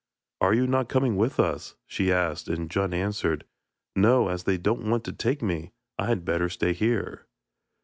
'Are you not coming with us?' she asked, and Djun answered: 'No; as they don't want to take me, I had better stay here.'